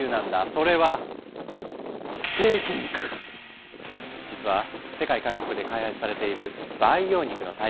それは実は世界各国で開発されている培養肉の大半がミンチ状のもの。